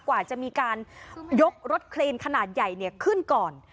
กว่าจะมีการยกรถเครนขนาดใหญ่ขึ้นก่อน